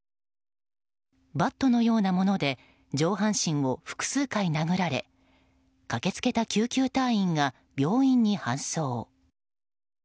バットのようなもので上半身を複数回殴られ駆け付けた救急隊員が病院に搬送。